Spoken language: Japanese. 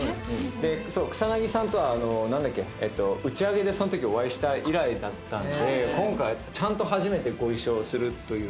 で草さんとは何だっけ。打ち上げでそのときお会いした以来だったんで今回ちゃんと初めてご一緒するというか。